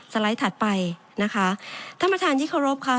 ไลด์ถัดไปนะคะท่านประธานที่เคารพค่ะ